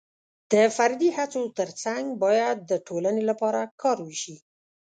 د فردي هڅو ترڅنګ باید د ټولنې لپاره کار وشي.